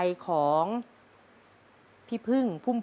ชอบร้องเพลงเหรอลูกค่ะ